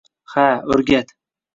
- Ha, o'rgat!